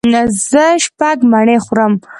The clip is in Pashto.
زه شپږ مڼې خورم.